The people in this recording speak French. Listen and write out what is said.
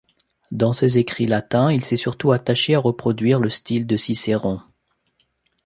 Dans ses écrits latins, il s’est surtout attaché à reproduire le style de Cicéron.